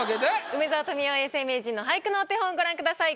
梅沢富美男永世名人の俳句のお手本ご覧ください。